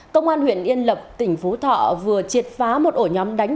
công an huyện yên lập tỉnh phú thọ vừa triệt phá một ổ nhóm đánh